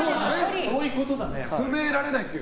詰められないという。